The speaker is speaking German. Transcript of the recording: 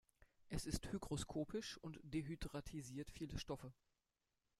Es ist hygroskopisch und dehydratisiert viele Stoffe.